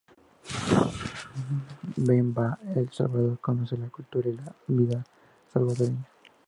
Ben va a El Salvador y conoce la cultura y la vida salvadoreña.